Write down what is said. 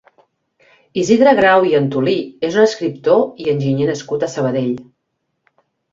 Isidre Grau i Antolí és un escriptor i enginyer nascut a Sabadell.